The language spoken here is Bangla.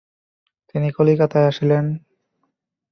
তিনি কলিকাতায় আসিলেন।